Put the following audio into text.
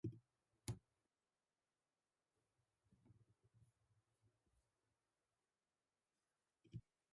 Examples include hangman and zendo.